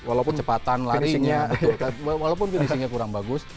walaupun penyelesaiannya kurang bagus